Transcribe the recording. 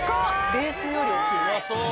ベースより大きいですね。